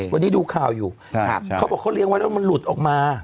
วันนี้ดูข่าวอยู่เขาบอกเรียกว่าเกิดมันหลุดออกมา